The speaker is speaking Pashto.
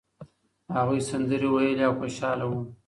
هغوی سندرې ویلې او خوشاله وو.